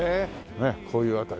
ねっこういう辺りで。